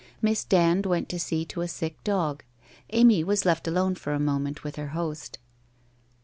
Miss Dand went to sec to a sick dog; Amy was left alone for a moment with her host.